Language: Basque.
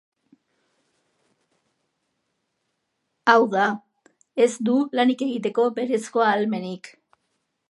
Hau da, ez du lanik egiteko berezko ahalmenik.